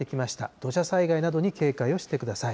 土砂災害などに警戒をしてください。